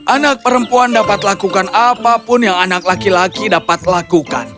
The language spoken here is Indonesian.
anak perempuan dapat lakukan apapun yang anak laki laki dapat lakukan